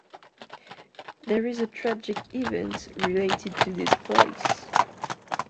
There is a tragic event related to this place.